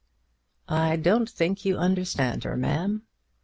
"I don't think you understand her, ma'am."